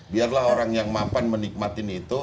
biarlah orang yang mapan menikmati itu